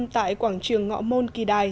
tại quảng trường ngọ môn kỳ đài